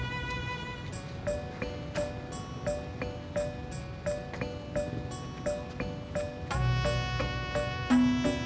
mas pene aja makan nih